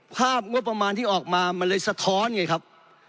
ภาพงบประมาณที่ออกมามันเลยสะท้อนไงครับ